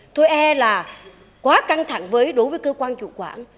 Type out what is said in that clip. thôi e là quá căng thẳng với đối với cơ quan chủ quản